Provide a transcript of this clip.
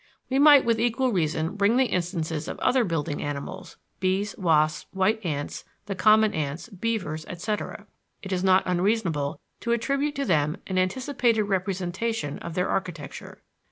We might with equal reason bring the instances of other building animals (bees, wasps, white ants, the common ants, beavers, etc.). It is not unreasonable to attribute to them an anticipated representation of their architecture.